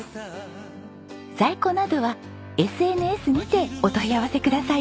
在庫などはＳＮＳにてお問い合わせください。